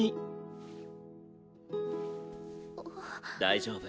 大丈夫。